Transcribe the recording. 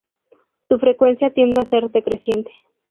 Su frecuencia tiende a ser decreciente.